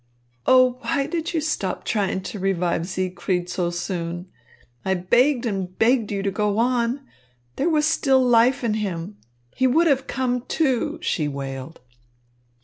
"Oh, why did you stop trying to revive Siegfried so soon? I begged and begged you to go on. There was still life in him. He would have come to," she wailed.